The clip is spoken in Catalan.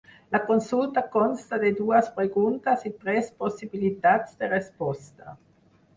La consulta consta de dues preguntes i tres possibilitats de resposta.